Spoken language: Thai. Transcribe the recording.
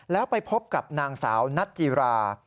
แล้วไปพบกับนางสาวนัทจิรา